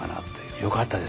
よかったです。